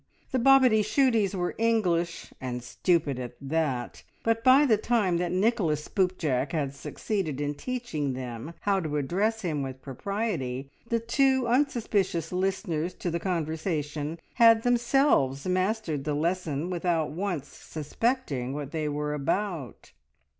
The Bobityshooties were English, and stupid at that, but by the time that Nicholas Spoopjack had succeeded in teaching them how to address him with propriety, the two unsuspicious listeners to the conversation had themselves mastered the lesson without once suspecting what they were about.